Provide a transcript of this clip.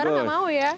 foto bareng gak mau ya